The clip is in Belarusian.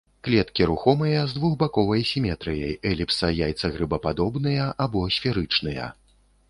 Клеткі рухомыя, з двухбаковай сіметрыяй, эліпса-, яйца-, грыбападобныя або сферычныя.